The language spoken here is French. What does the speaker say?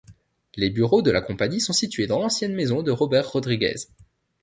Les bureaux de la compagnie sont situés dans l'ancienne maison de Robert Rodriguez.